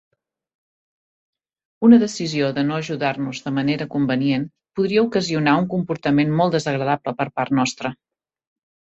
Una decisió de no ajudar-nos de manera convenient podria ocasionar un comportament molt desagradable per part nostra.